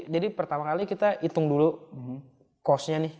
jadi pertama kali kita hitung dulu costnya nih